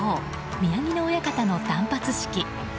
宮城野親方の断髪式。